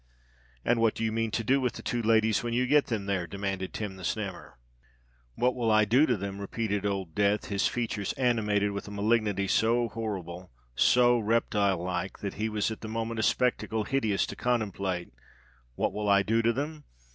"And what do you mean to do with the two ladies when you get them there?" demanded Tim the Snammer. "What will I do to them?" repeated Old Death, his features animated with a malignity so horrible—so reptile like, that he was at the moment a spectacle hideous to contemplate: "what will I do to them?